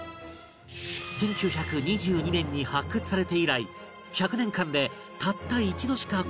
１９２２年に発掘されて以来１００年間でたった一度しか国外へ出された事のない